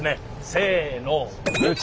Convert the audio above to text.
せの。